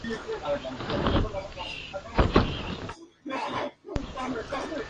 Su producción inicial incluye muchos temas devotos.